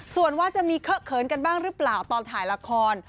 ส่วนว่าจะมีเคอะเขินกันบ้างหรือเปล่าตอนถ่ายละคร